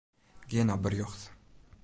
Gean nei berjocht.